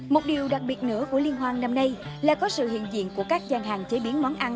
một điều đặc biệt nữa của liên hoan năm nay là có sự hiện diện của các gian hàng chế biến món ăn